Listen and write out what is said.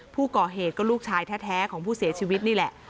ผู้ก่อเหตุก็ลูกชายแท้ของผู้เสียชีวิตนี่แหละ